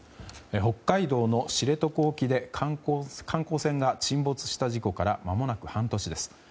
北海道の知床沖で観光船が沈没した事故からまもなく半年です。